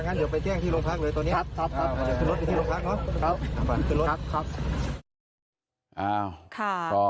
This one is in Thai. ครับครับ